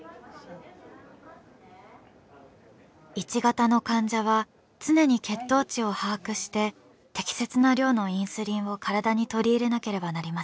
１型の患者は常に血糖値を把握して適切な量のインスリンを体に取り入れなければなりません。